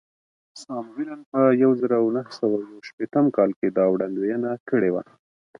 ساموېلسن په زر نه سوه یو شپېته کال کې دا وړاندوینه کړې وه